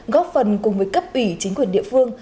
góp phần cùng với cấp ủy chính quyền địa phương